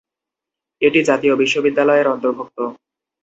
এটি জাতীয় বিশ্ববিদ্যালয়ের অন্তর্ভুক্ত।